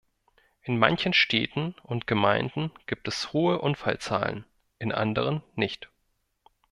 In manchen Städten und Gemeinden gibt es hohe Unfallzahlen, in anderen nicht.